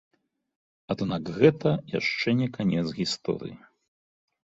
Аднак гэта яшчэ не канец гісторыі.